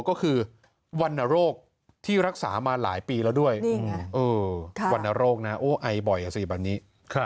ก็คือวรรณโรคที่รักษามาหลายปีแล้วด้วยวรรณโรคนะโอ้ไอบ่อยอ่ะสิแบบนี้